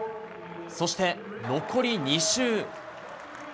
そして、残り２周。